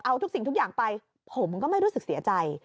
เอาทุกสิ่งทุกอย่างไปผมก็ไม่รู้สึกเสียใจ